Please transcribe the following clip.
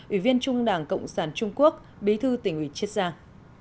ủy viên trung đảng cộng sản trung quốc bí thư tỉnh ủy chiết giang